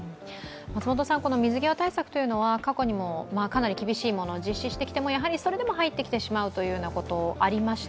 この水際対策というのは過去に厳しいものを実施してそれでも入ってきてしまうということがありました。